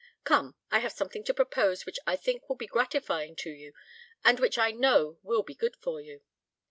Come, I have something to propose which I think will be gratifying to you, and which I know will be good for you.